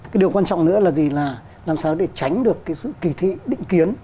cái điều quan trọng nữa là gì là làm sao để tránh được cái sự kỳ thị định kiến